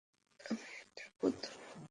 আমি একটা পুতুল।